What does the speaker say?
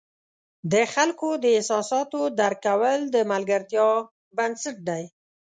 د خلکو د احساساتو درک کول د ملګرتیا بنسټ دی.